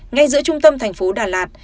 ngay giữa trung tâm thành phố đà lạt